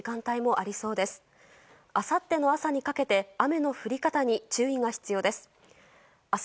あさっての朝にかけて雨の降り方に注意が必要です。